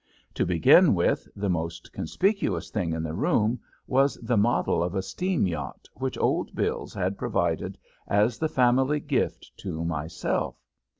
To begin with, the most conspicuous thing in the room was the model of a steam yacht which Old Bills had provided as the family gift to myself.